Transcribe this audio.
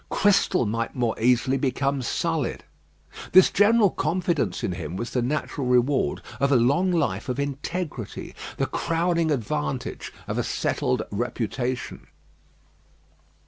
Crystal might more easily become sullied. This general confidence in him was the natural reward of a long life of integrity, the crowning advantage of a settled reputation.